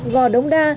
ngò đông đa